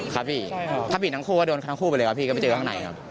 ครับพี่ถ้าผิดทั้งคู่ก็โดนทั้งคู่ไปเลยครับพี่ก็ไปเจอข้างในครับ